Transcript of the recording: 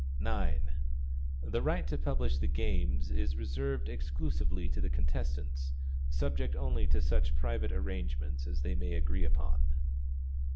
9. The right to publish the games is reserved exclusively to the contestants, subject only to such private arrangements as they may agree upon.